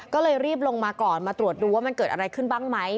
ก็เลยรีบลงมาก่อนมาตรวจดูว่ามันเกิดอะไรขึ้นบ้างไหม